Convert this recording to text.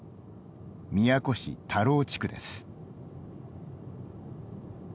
宮古市田老地区です。